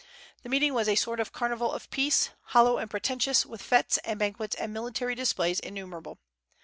The meeting was a sort of carnival of peace, hollow and pretentious, with fêtes and banquets and military displays innumerable.